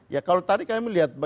ya kalau tadi kami melihat